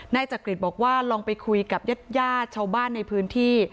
จักริตบอกว่าลองไปคุยกับญาติญาติชาวบ้านในพื้นที่